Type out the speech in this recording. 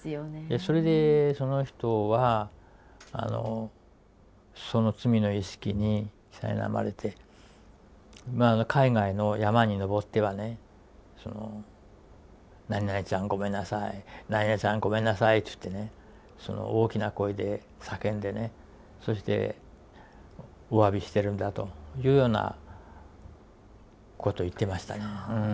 それでその人はその罪の意識にさいなまれて海外の山に登ってはねなになにちゃんごめんなさいなになにちゃんごめんなさいって言ってね大きな声で叫んでねそしておわびしてるんだというようなこと言ってましたね。